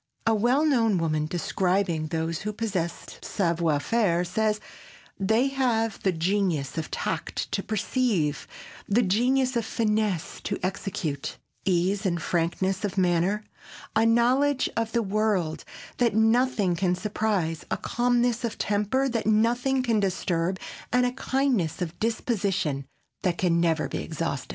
A well known woman, describing those who possess savoir faire, says: "They have the genius of tact to perceive, the genius of finesse to execute, ease and frankness of manner, a knowledge of the world that nothing can surprise, a calmness of temper that nothing can disturb, and a kindness of disposition that can never be exhausted."